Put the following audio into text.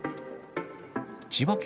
千葉県